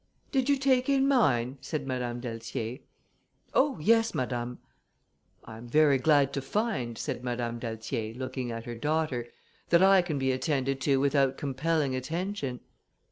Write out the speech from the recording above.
"Did you take in mine?" said Madame d'Altier. "Oh! yes, madame." "I am very glad to find," said Madame d'Altier, looking at her daughter, "that I can be attended to without compelling attention."